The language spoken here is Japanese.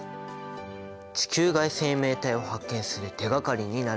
地球外生命体を発見する手がかりになるんですって。